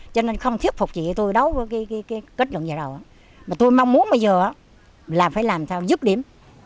cho nên không thiết phục gì tôi đấu với cái kết luận gì đâu mà tôi mong muốn bây giờ là phải làm sao giúp điểm